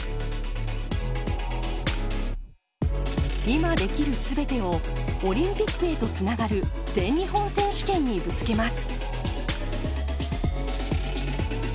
今できる全てをオリンピックへとつながる全日本選手権にぶつけます。